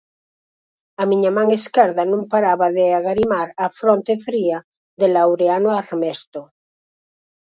A miña man esquerda non paraba de agarimar a fronte fría de Laureano Armesto.